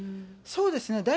そうですね。